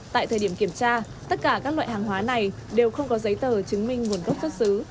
tại thời điểm kiểm tra tất cả các loại hàng hóa này đều không có giấy tờ chứng minh nguồn gốc xuất xứ